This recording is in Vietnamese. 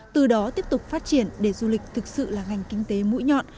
từ đó tiếp tục phát triển để du lịch thực sự là ngành kinh tế mũi nhọn